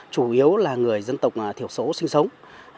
chủ yếu là người dân tộc thiểu số sinh sống